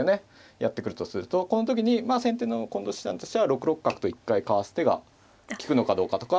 やってくるとするとこの時に先手の近藤七段としては６六角と一回かわす手が利くのかどうかとか。